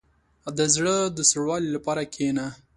• د زړه د سوړوالي لپاره کښېنه.